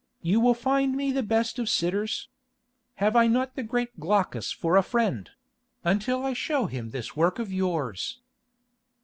You will find me the best of sitters. Have I not the great Glaucus for a friend—until I show him this work of yours?"